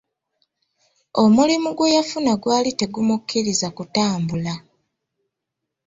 Omulimu gwe yafuna gwali tegumukkiriza kutambula.